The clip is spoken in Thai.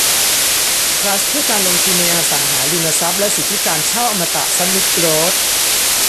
ทรัสต์เพื่อการลงทุนในอสังหาริมทรัพย์และสิทธิการเช่าอมตะซัมมิทโกรท